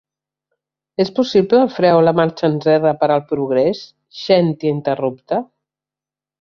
És possible el fre o la marxa enrere per al progrés: 'scientia interrupta'?